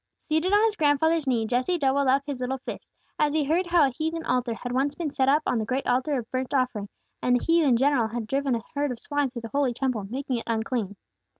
Seated on his grandfather's knee, Jesse doubled up his little fists, as he heard how a heathen altar had once been set up on the great altar of burnt offering, and a heathen general had driven a herd of swine through the holy Temple, making it unclean.